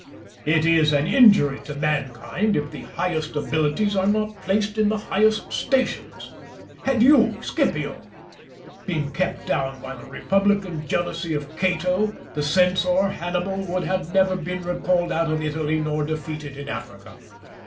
It is an injury to mankind if the highest abilities are not placed in the highest stations. Had you, Scipio, been kept down by the republican jealousy of Cato, the censor Hannibal would have never been recalled out of Italy nor defeated in Africa.